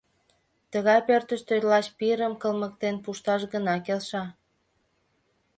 Тыгай пӧртыштӧ лач пирым кылмыктен пушташ гына келша.